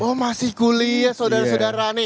oh masih kuliah saudara saudara nih